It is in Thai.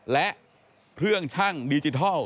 และเครื่องช่างดิจิทัล